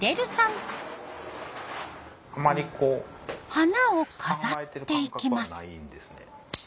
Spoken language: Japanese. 花を飾っていきます。